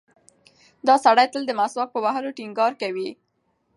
دا سړی تل د مسواک په وهلو ټینګار کوي.